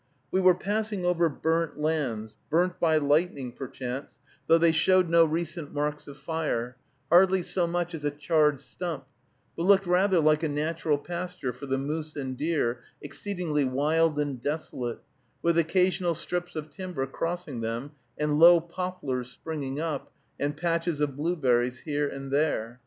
We were passing over "Burnt Lands," burnt by lightning, perchance, though they showed no recent marks of fire, hardly so much as a charred stump, but looked rather like a natural pasture for the moose and deer, exceedingly wild and desolate, with occasional strips of timber crossing them, and low poplars springing up, and patches of blueberries here and there.